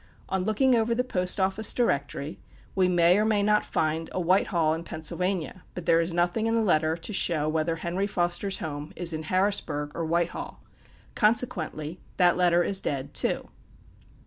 On looking over the Post office Directory, we may or may not find a White Hall in Pennsylvania, but there is nothing in the letter to show whether "Henry Foster's" home is in Harrisburg or White Hall; consequently, that letter is dead, too.